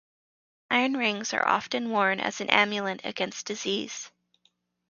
Iron rings are often worn as an amulet against disease.